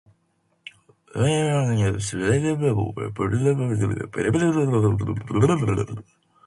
Anderson went to Bishop Cotton Boys' School and studied in Saint Joseph's College, Bangalore.